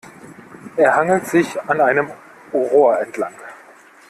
Er hangelt sich an einem Rohr entlang.